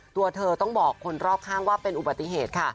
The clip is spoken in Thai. ตัวเธอต้องบอกคนรอบข้างว่าเป็นอุบัติเหตุค่ะ